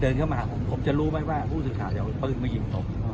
เดินเข้ามาว่าผู้สืบข่าวก็จะคงว่าพวกมายิ่งตก